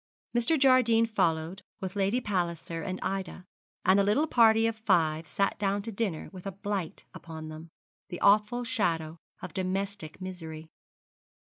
Mr. Jardine followed, with Lady Palliser and Ida; and the little party of five sat down to dinner with a blight upon them, the awful shadow of domestic misery.